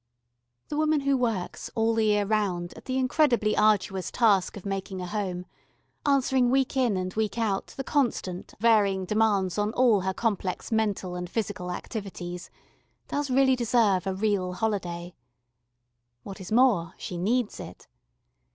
The woman who works all the year round at the incredibly arduous task of making a home, answering week in and week out the constant, varying demands on all her complex mental and physical activities, does really deserve a real holiday. What is more, she needs it.